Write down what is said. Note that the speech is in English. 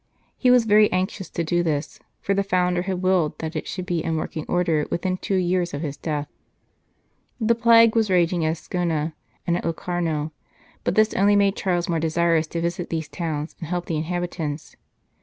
He was very anxious to do this, for the founder had willed that it should be in working order within two years of his death. The plague was raging at Ascona and at Locarno, but this only made Charles more desirous to visit these towns and help the in habitants.